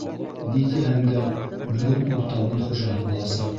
Ни тиһәң дә, бөгөн ул табын хужаһы буласаҡ.